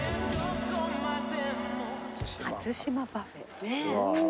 「初島パフェ」ねっ。